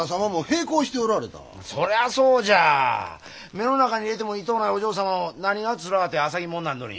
目の中に入れても痛うないお嬢様を何がつらあて浅葱者なんぞに。